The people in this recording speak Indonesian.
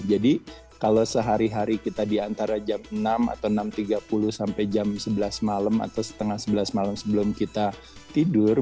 jadi kalau sehari hari kita di antara jam enam atau enam tiga puluh sampai jam sebelas malam atau setengah sebelas malam sebelum kita tidur